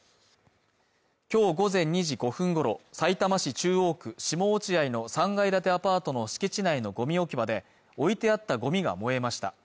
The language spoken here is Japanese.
きょう午前２時５分ごろさいたま市中央区下落合の３階建てアパートの敷地内のごみ置き場で置いてあったごみが燃えました